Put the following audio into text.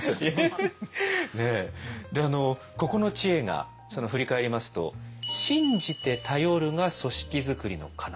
であのここの知恵が振り返りますと信じて頼るが組織づくりの要。